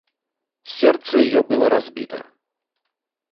Сердце ее было разбито.